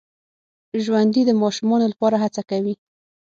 ژوندي د ماشومانو لپاره هڅه کوي